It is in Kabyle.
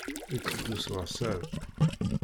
Iteddu s weɣṣab.